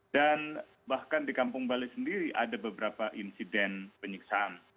dan bahkan di kampung bali sendiri ada beberapa insiden penyiksaan